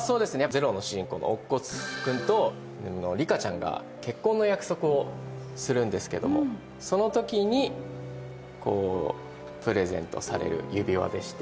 「０」の主人公の乙骨くんと里香ちゃんが結婚の約束をするんですけどもその時にこうプレゼントされる指輪でして。